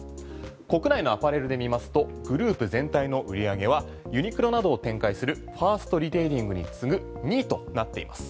国内のアパレルで見ますとグループ全体の売り上げはユニクロなどを展開するファーストリテイリングに次ぐ２位となっています。